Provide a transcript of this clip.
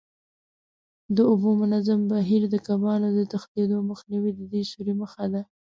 د اوبو منظم بهیر، د کبانو د تښتېدو مخنیوی د دې سوري موخه ده.